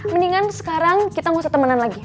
mendingan sekarang kita ngusah temenan lagi